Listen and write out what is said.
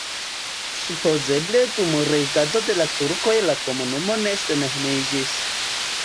Supozeble dum regado de la turkoj la komunumo ne senhomiĝis.